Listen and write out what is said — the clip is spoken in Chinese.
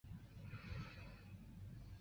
最好是在子宫内膜较薄时进行。